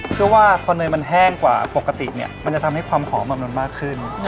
เพื่อว่าพอเนยมันแห้งกว่าปกติเนี่ยมันจะทำให้ความหอมมันมากขึ้น